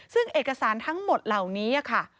ซึ่งเอกสารทั้งหมดเหล่านี้ค่ะ